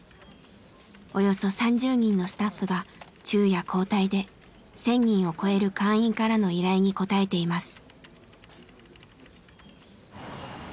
およそ３０人のスタッフが昼夜交代で１，０００人を超える会員からの依頼に応えています。